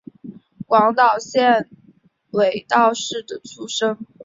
广岛县尾道市出身。